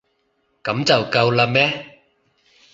噉就夠喇咩？